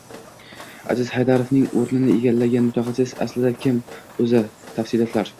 Aziz Haydarovning o‘rnini egallagan mutaxassis aslida kim o‘zi? Tafsilotlar